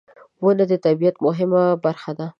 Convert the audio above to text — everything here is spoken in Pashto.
• ونه د طبیعت مهمه برخه ده.